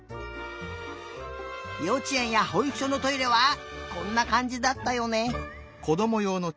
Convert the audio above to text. ようちえんやほいくしょのトイレはこんなかんじだったよね。